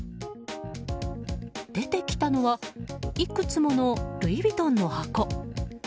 出てきたのはいくつものルイ・ヴィトンの箱。